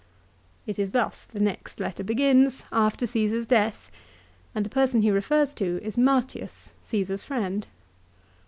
1 It is thus the next letter begins, after Caesar's death, and the person he refers to is Matius, Caesar's friend.